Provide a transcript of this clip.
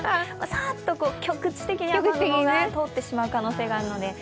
さーっと局地的に雨雲が通ってしまう可能性があるので。